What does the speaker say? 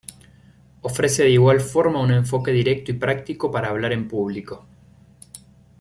Ofrece de igual forma un enfoque directo y práctico para hablar en público.